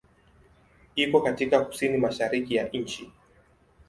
Iko katika kusini-mashariki ya nchi.